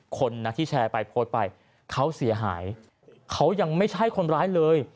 คนนะที่แชร์ไปโพสต์ไปเขาเสียหายเขายังไม่ใช่คนร้ายเลย